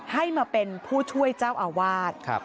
ให้มาเป็นผู้ช่วยเจ้าอาวาส